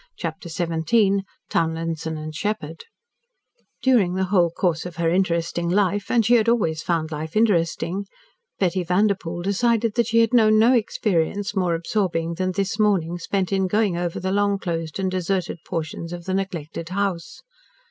CHAPTER XVII TOWNLINSON & SHEPPARD During the whole course of her interesting life and she had always found life interesting Betty Vanderpoel decided that she had known no experience more absorbing than this morning spent in going over the long closed and deserted portions of the neglected house.